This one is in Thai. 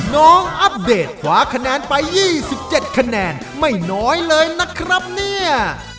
อัปเดตคว้าคะแนนไป๒๗คะแนนไม่น้อยเลยนะครับเนี่ย